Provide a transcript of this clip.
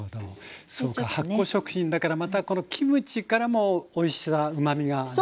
そうか発酵食品だからまたこのキムチからもおいしさうまみがね。